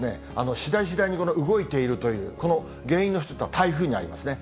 しだいしだいに動いているという、この原因の一つが台風になりますね。